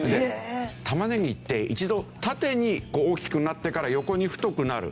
玉ねぎって一度縦に大きくなってから横に太くなる。